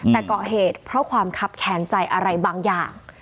แต่เกาะเหตุเพราะความคับแค้นใจอะไรบางอย่าง